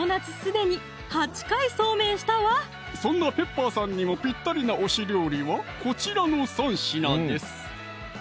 そんなペッパーさんにもぴったりな推し料理はこちらの３品です